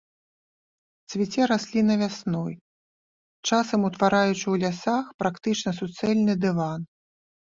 Цвіце расліна вясной, часам утвараючы ў лясах практычна суцэльны дыван.